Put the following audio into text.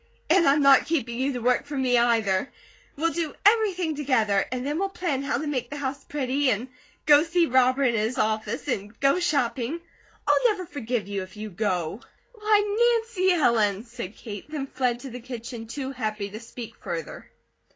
And I'm not keeping you to work for me, either! We'll do everything together, and then we'll plan how to make the house pretty, and go see Robert in his office, and go shopping. I'll never forgive you if you go." "Why, Nancy Ellen !" said Kate, then fled to the kitchen too happy to speak further.